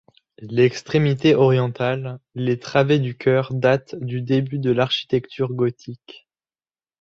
L'extrémité orientale, les travées du chœur datent du début de l'architecture gothique.